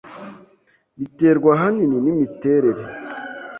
Biterwa ahanini nimiterere.